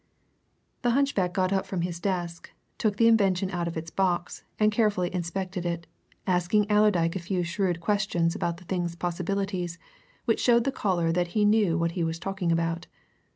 The hunchback got up from his desk, took the invention out of its box, and carefully inspected it, asking Allerdyke a few shrewd questions about the thing's possibilities which showed the caller that he knew what he was talking about.